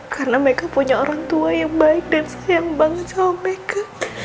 karena mereka punya orang tua yang baik dan sayang banget sama mereka